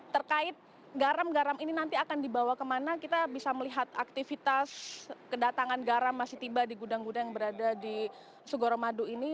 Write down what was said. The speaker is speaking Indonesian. terkait garam garam ini nanti akan dibawa kemana kita bisa melihat aktivitas kedatangan garam masih tiba di gudang gudang yang berada di sugoro madu ini